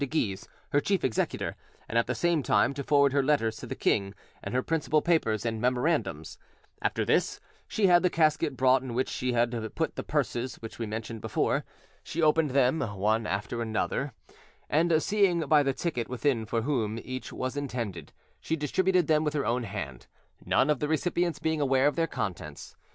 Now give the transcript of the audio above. de Guise, her chief executor, and at the same time to forward her letters to the king and her principal papers and memorandums: after this, she had the casket brought in which she had put the purses which we mentioned before; she opened them one after another, and seeing by the ticket within for whom each was intended, she distributed them with her own hand, none of the recipients being aware of their contents.